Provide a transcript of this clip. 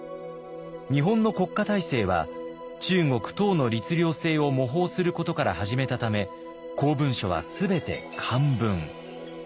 日本の国家体制は中国・唐の律令制を模倣することから始めたため公文書は全て漢文。